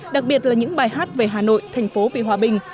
đặc biệt là những bài hát về hà nội thành phố vì hòa bình